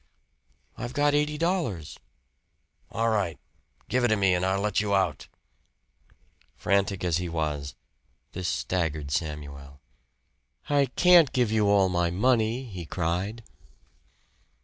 "I've got eighty dollars." "All right. Give it to me and I'll let you out." Frantic as he was, this staggered Samuel. "I can't give you all my money," he cried.